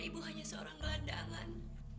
ibu hanya seorang gelandangan